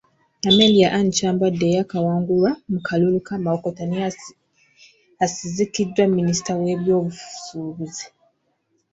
Amelia Anne Kyambadde eyaakawangulwa mu kalulu ka Mawokota naye asikiziddwa Minisita w’ebyobusuubuzi.